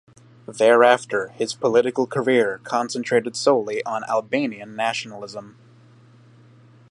Thereafter his political career concentrated solely on Albanian nationalism.